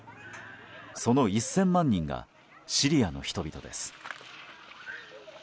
その１０００万人がシリアの人々です。